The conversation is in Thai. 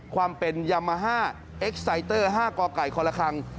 ความเป็นยามาฮ่าเอ็กไซเตอร์๕กไก่คนละครั้ง